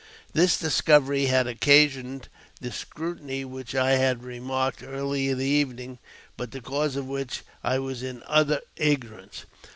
This discovery had occasioned the scrutiny which I had remarked early in the evening, but the cause of which I was in utter ignorance.